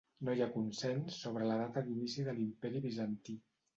No hi ha consens sobre la data d'inici de l'imperi Bizantí.